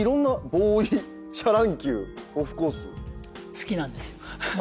好きなんですよ。